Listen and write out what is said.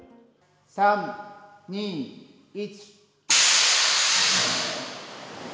３、２、１。